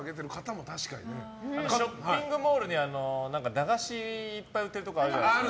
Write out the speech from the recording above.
ショッピングモールに駄菓子いっぱい売ってるとこあるじゃないですか。